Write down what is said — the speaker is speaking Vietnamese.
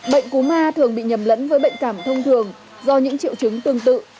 bệnh cúm a thường bị nhầm lẫn với bệnh cảm thông thường do những triệu chứng tương tự